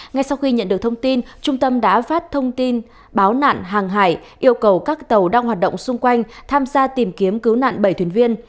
ngay sau khi nhận được thông tin trung tâm đã phát thông tin báo nạn hàng hải yêu cầu các tàu đang hoạt động xung quanh tham gia tìm kiếm cứu nạn bảy thuyền viên